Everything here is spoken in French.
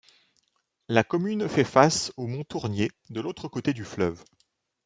La commune fait face au mont Tournier, de l'autre côte du fleuve.